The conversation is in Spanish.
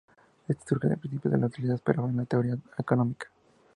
Esta surge del principio de la utilidad esperada en la teoría económica.